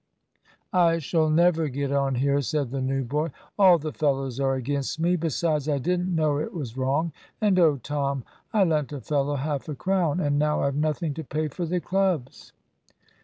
"I shall never get on here," said the new boy. "All the fellows are against me. Besides I didn't know it was wrong; and oh, Tom? I lent a fellow half a crown, and now I've nothing to pay for the clubs!"